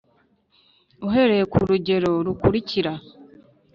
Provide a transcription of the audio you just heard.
uhereye ku rugero rukurikira: